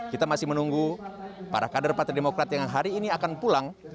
kita masih menunggu para kader partai demokrat yang hari ini akan pulang